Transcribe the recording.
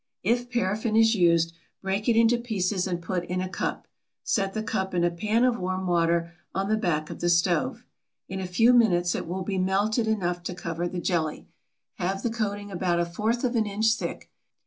If paraffin is used, break it into pieces and put in a cup. Set the cup in a pan of warm water on the back of the stove. In a few moments it will be melted enough to cover the jelly. Have the coating about a fourth of an inch thick.